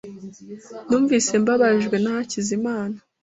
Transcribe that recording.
Numvise mbabajwe na Hakizimana .